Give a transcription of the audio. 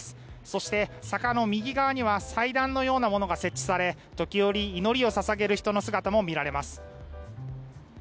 そして坂の右側には祭壇のようなものが設置され時折、祈りを捧げる人の姿も見られます。